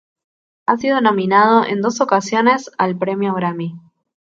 Ha sido nominado en dos ocasiones al Premio Grammy.